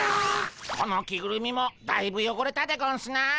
この着ぐるみもだいぶよごれたでゴンスな。